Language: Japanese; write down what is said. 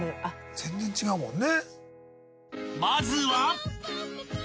全然違うもんね。